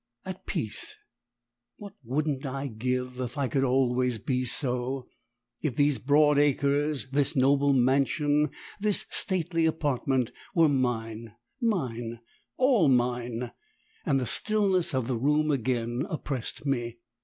At peace! What wouldn't I give if I could always be so; if these broad acres, this noble mansion, this stately apartment were mine mine ALL MINE and the stillness of the room again oppressed me.